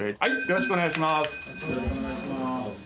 よろしくお願いします。